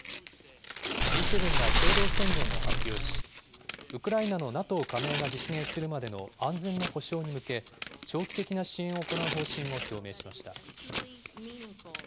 Ｇ７が共同宣言を発表し、ウクライナのＮＡＴＯ加盟が実現するまでの安全の保証に向け、長期的な支援を行う方針を表明しました。